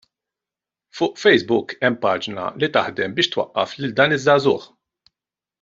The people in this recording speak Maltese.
Fuq Facebook hemm paġna li taħdem biex twaqqaf lil dan iż-żagħżugħ.